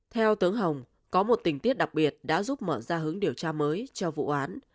theo tướng hồng có một tình tiết đặc biệt đã giúp mở ra hướng điều tra mới cho vụ án